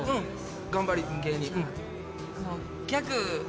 頑張り芸人うん。